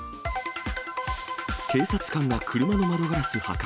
警察官が車の窓ガラス破壊。